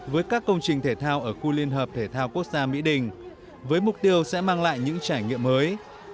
với các công trình thể thao ở khu liên hợp thể thao quốc gia mỹ đình với mục tiêu sẽ mang lại những trải nghiệm mới